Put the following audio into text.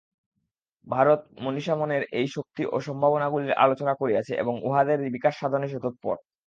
ভারত-মনীষা মনের এই শক্তি ও সম্ভাবনাগুলির আলোচনা করিয়াছে এবং উহাদের বিকাশসাধনে সে তৎপর।